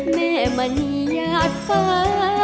แม่มันอยากฟา